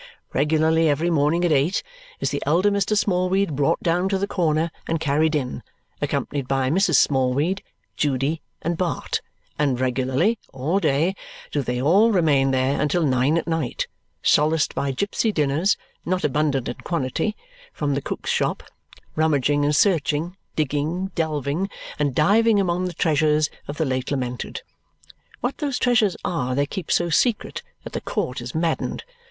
Regularly, every morning at eight, is the elder Mr. Smallweed brought down to the corner and carried in, accompanied by Mrs. Smallweed, Judy, and Bart; and regularly, all day, do they all remain there until nine at night, solaced by gipsy dinners, not abundant in quantity, from the cook's shop, rummaging and searching, digging, delving, and diving among the treasures of the late lamented. What those treasures are they keep so secret that the court is maddened.